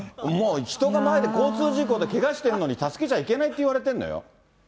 もう人が前で、交通事故でけがしてるのに、助けちゃいけないって言われてるのよ。